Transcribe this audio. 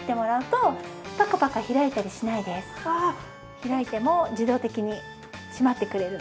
開いても自動的に閉まってくれるので。